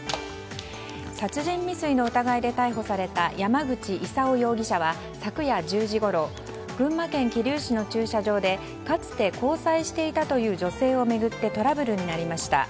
殺人未遂の疑いで逮捕された山口勲容疑者は昨夜１０時ごろ群馬県桐生市の駐車場でかつて交際していたという女性を巡ってトラブルになりました。